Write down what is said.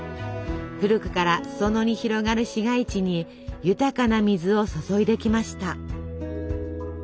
古くから裾野に広がる市街地に豊かな水を注いできました。